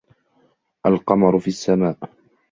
القمر في السماء.